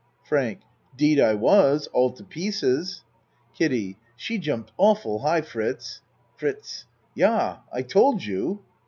FRANK 'Deed I was all to pieces! KIDDIE She jumped awful high, Fritz! FRITZ Yah, I told you.